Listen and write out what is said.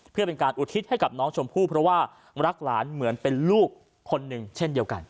เพื่อเป็นการอุทิศให้กับน้องชมพู่เพราะว่ารักหลานเหมือนเป็นลูกคนหนึ่งเช่นเดียวกัน